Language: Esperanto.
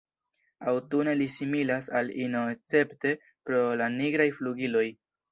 Aŭtune li similas al ino escepte pro la nigraj flugiloj.